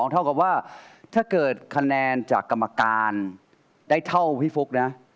เท่ากับว่าถ้าเกิดคะแนนจากกรรมการได้เท่าพี่ฟุ๊กนะ